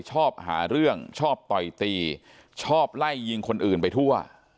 ชอบหาเรื่องชอบต่อยตีชอบไล่ยิงคนอื่นไปทั่ว